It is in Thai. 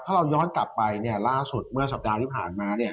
ถ้าเราย้อนกลับไปเนี่ยล่าสุดเมื่อสัปดาห์ที่ผ่านมาเนี่ย